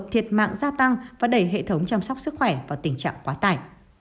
tù hợp thiệt mạng gia tăng và đẩy hệ thống chăm sóc sức khỏe vào tình trạng quá tải